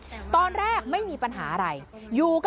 สุดทนแล้วกับเพื่อนบ้านรายนี้ที่อยู่ข้างกัน